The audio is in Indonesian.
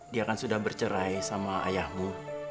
dia kan sudah bercerai sama ayahmu